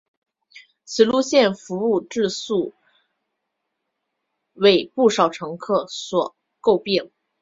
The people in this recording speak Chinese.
此路线服务质素为不少乘客所诟病。